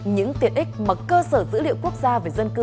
những tiện ích mà cơ sở dữ liệu quốc gia về dân cư